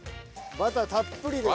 バターたっぷりでね。